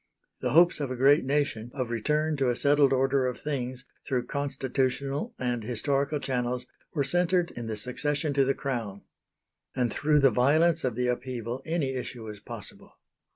The hopes of a great nation of return to a settled order of things through constitutional and historical channels were centred in the succession to the Crown. And through the violence of the upheaval any issue was possible.